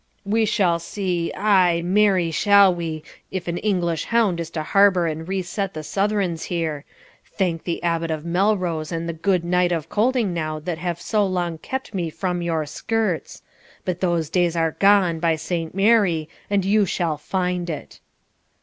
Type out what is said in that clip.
'We shall see ay, marry shall we if an English hound is to harbour and reset the Southrons here. Thank the Abbot of Melrose and the good Knight of Coldingnow that have so long kept me from your skirts. But those days are gone, by Saint Mary, and you shall find it!'